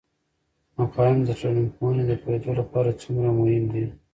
مفاهیم د ټولنپوهنې د پوهیدو لپاره څومره مهم دي؟